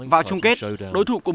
vào chung kết đối thủ của